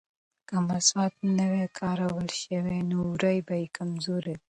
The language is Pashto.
که مسواک نه وای کارول شوی نو وورۍ به کمزورې وې.